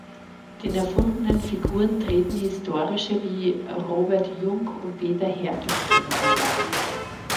Den erfundenen Figuren treten historische wie Robert Jungk und Peter Härtling gegenüber.